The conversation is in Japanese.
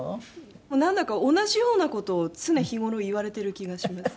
もうなんだか同じような事を常日頃言われてる気がします。